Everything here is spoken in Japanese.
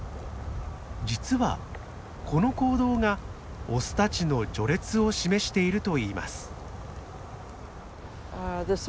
実はこの行動がオスたちの序列を示しているといいます。